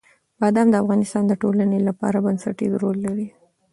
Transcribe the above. بادام د افغانستان د ټولنې لپاره بنسټيز رول لري.